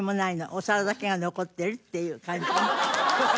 お皿だけが残ってるっていう感じね。